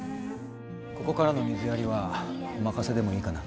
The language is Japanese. ここからの水やりはお任せでもいいかな。